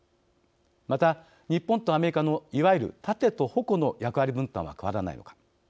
また、日本とアメリカのいわゆる盾と矛の役割分担は変わらないのか。